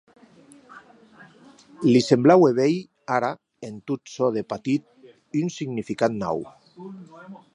Li semblaue veir, ara, en tot çò de patit un significat nau.